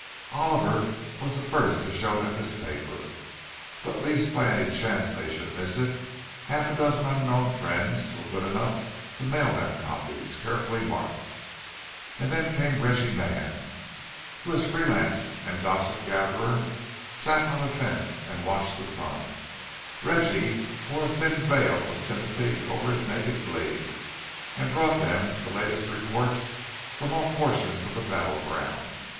Oliver was the first to show them this paper. But lest by any chance they should miss it, half a dozen unknown friends were good enough to mail them copies, carefully marked.—And then came Reggie Mann, who as free lance and gossip gatherer sat on the fence and watched the fun; Reggie wore a thin veil of sympathy over his naked glee, and brought them the latest reports from all portions of the battle ground.